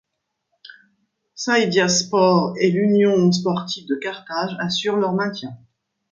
Saydia Sports et l'Union sportive de Carthage assurent leur maintien.